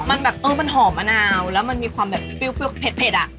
มันแบบเออมันหอมมะนาวแล้วมันมีความแบบเปรี้ยวเผ็ดอ่ะ